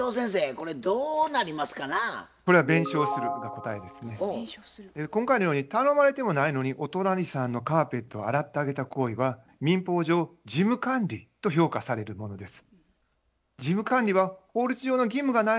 これは今回のように頼まれてもないのにお隣さんのカーペットを洗ってあげた行為は民法上「事務管理」と評価されるものです。